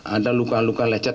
ada luka luka lecak